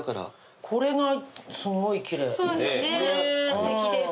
すてきです。